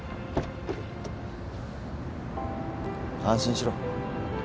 安心しろ。